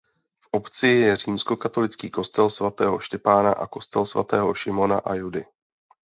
V obci je římskokatolický kostel svatého Štěpána a kostel svatého Šimona a Judy.